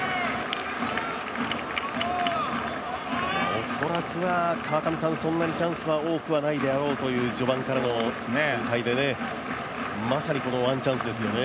おそらくは、そんなにチャンスは多くはないであろうという序盤からの展開でまさにこのワンチャンスですよね。